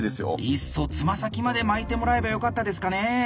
いっそ爪先まで巻いてもらえばよかったですかね？